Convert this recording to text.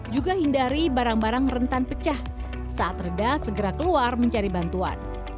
juga hindari barang barang rentan pecah saat reda segera keluar mencari bantuan